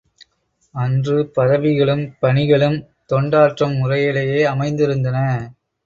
அன்று பதவிகளும் பணிகளும் தொண்டாற்றம் முறையிலேயே அமைந்திருந்தன.